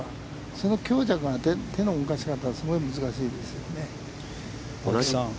その強弱が手の動かし方がすごい難しいですよね。